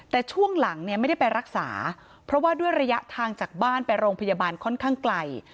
แต่ช่วงหลังเนี่ยไม่ได้ไปรักษาเพราะว่าด้วยระยะทางจากบ้านไปโรงพยาบาลค่อนข้างไกล